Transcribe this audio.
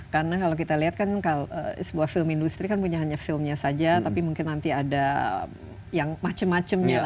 karena kalau kita lihat kan sebuah film industri punya filmnya saja tapi mungkin nanti ada yang macem macemnya